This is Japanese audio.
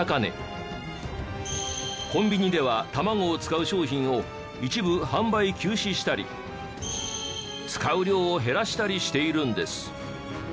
コンビニでは卵を使う商品を一部販売休止したり使う量を減らしたりしているんです。